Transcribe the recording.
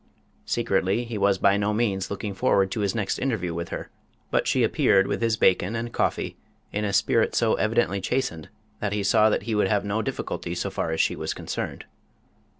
Secretly he was by no means looking forward to his next interview with her, but she appeared with his bacon and coffee in a spirit so evidently chastened that he saw that he would have no difficulty so far as she was concerned.